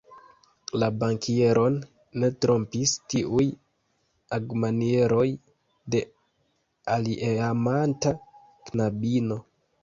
La bankieron ne trompis tiuj agmanieroj de alieamanta knabino.